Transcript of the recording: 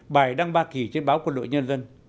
bài đăng ba kỳ trên báo quân đội nhân dân